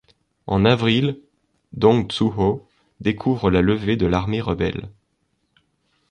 En avril, Dong Zhuo découvre la levée de l'armée rebelle.